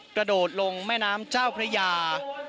กระโดดลงแม่น้ำเจ้าพระยา